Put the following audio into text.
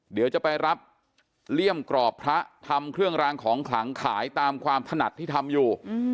เดี๋ยวจะไปรับเลี่ยมกรอบพระทำเครื่องรางของขลังขายตามความถนัดที่ทำอยู่